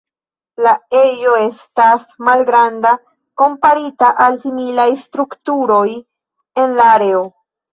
La ejo estas malgranda komparita al similaj strukturoj en la areo.